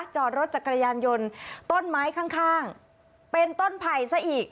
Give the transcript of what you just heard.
จอดรถจักรยานยนต์ต้นไม้ข้างเป็นต้นไผ่ซะอีก